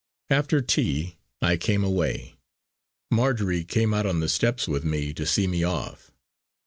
After tea I came away. Marjory came out on the steps with me to see me off.